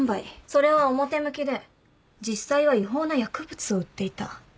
それは表向きで実際は違法な薬物を売っていた。